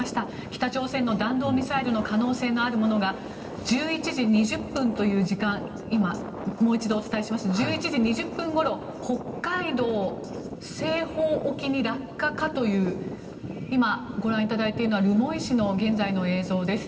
北朝鮮の弾道ミサイルの可能性のあるものが１１時２０分という時間もう一度お伝えしますが１１時２０分ごろ北海道西方沖に落下かという今、ご覧いただいているのは留萌市の現在の映像です。